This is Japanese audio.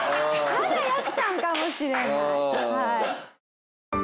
まだやくさんかもしれない。